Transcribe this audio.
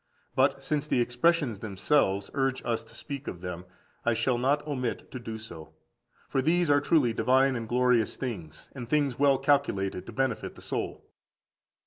But since the expressions themselves urge us to speak of them. I shall not omit to do so. For these are truly divine and glorious things, and things well calculated to benefit the soul.